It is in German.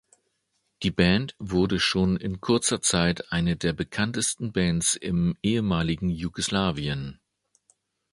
Die Band wurde schon in kurzer Zeit eine der bekanntesten Bands im ehemaligen Jugoslawien.